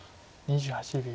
２８秒。